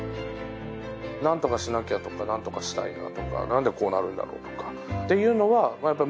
何とかしなきゃとか何とかしたいなとかなんでこうなるんだろう？とかっていうのはまあ